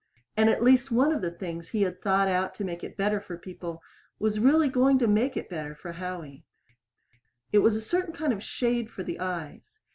And at last one of the things he had thought out to make it better for people was really going to make it better for Howie. It was a certain kind of shade for the eyes.